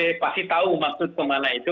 saya pasti tahu maksud kemana itu